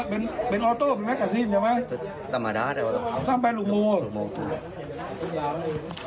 เป็นเป็นเป็นใช่ไหมต่ำมาดาสามแปดหลุกโมหลุกโม